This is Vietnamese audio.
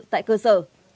tại cơ sở